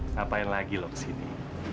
ngapain lagi lo kesini